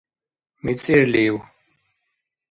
МицӀирлив?